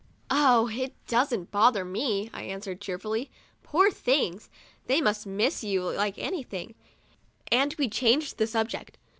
*' "Oh, it doesn't bother me," I answered, cheerfully. "Poor things! They must miss you like anything," and we changed the subject.